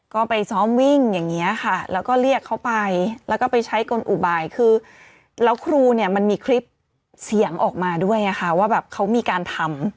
ก็ไปซ้อมวิ่งอย่างนี้ค่ะแล้วก็เรียกเขาไปแล้วก็ไปใช้กลอุบายคือแล้วครูเนี่ยมันมีคลิปเสียงออกมาด้วยค่ะว่าแบบเขามีการทำ